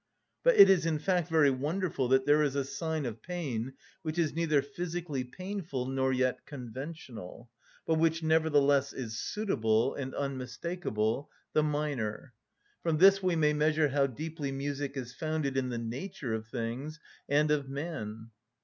But it is, in fact, very wonderful that there is a sign of pain which is neither physically painful nor yet conventional, but which nevertheless is suitable and unmistakable: the minor. From this we may measure how deeply music is founded in the nature of things and of man.